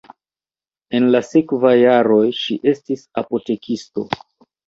En la sekvaj jaroj ŝi estis apotekisto.